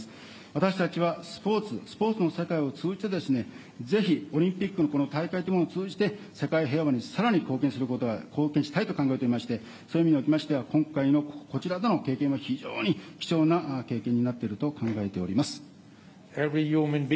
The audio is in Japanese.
私たちはスポーツの世界を通じて、ぜひオリンピックの大会というものを通じて、世界平和にさらに貢献することが、貢献したいと考えておりまして、そういう意味におきましては、今回のこちらでの経験は、非常に貴重な経験になっていると考えております。